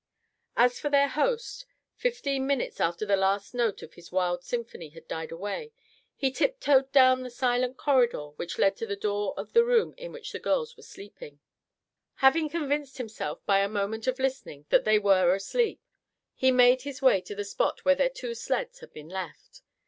As for their host, fifteen minutes after the last note of his wild symphony had died away, he tip toed down the silent corridor which led to the door of the room in which the girls were sleeping. Having convinced himself by a moment of listening that they were asleep, he made his way to the spot where their two sleds had been left.